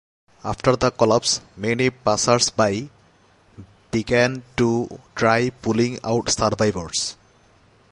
After the collapse, many passers-by began to try pulling out survivors.